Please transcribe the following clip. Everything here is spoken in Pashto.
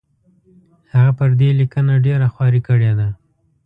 هغه پر دې لیکنه ډېره خواري کړې ده.